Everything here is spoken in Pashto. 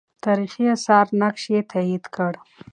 تاریخي آثار نقش یې تایید کړ.